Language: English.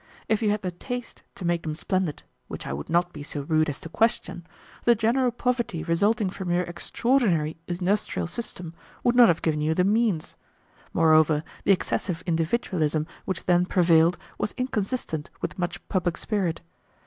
If you had the taste to make them splendid, which I would not be so rude as to question, the general poverty resulting from your extraordinary industrial system would not have given you the means. Moreover, the excessive individualism which then prevailed was inconsistent with much public spirit.